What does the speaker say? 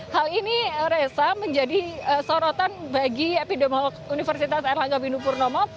hal ini resa menjadi sorotan bagi epidemiolog universitas erlangga windu purnomo